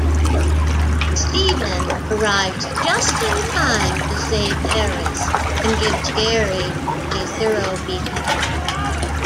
Stephen arrives just in time to save Eris and gives Gary a thorough beating.